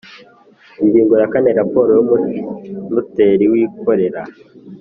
Ingingo ya kane Raporo y umunoteri wikorera